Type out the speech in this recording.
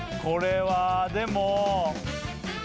これはでも。